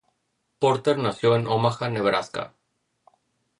Porter nació en Omaha, Nebraska.